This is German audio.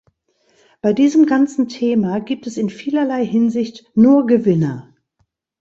Bei diesem ganzen Thema gibt es in vielerlei Hinsicht nur Gewinner.